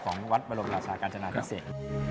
ของวรับราชากาจนาดริเศษ